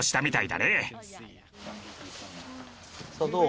さあどう？